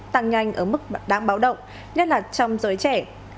tăng nhanh ở mức đáng báo động nhất là trong giới trẻ